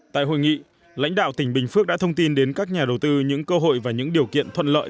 tại hội nghị lãnh đạo tỉnh bình phước đã thông tin đến các nhà đầu tư những cơ hội và những điều kiện thuận lợi